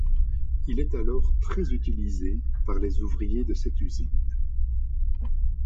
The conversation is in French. Il est alors très utilisé par les ouvriers de cette usine.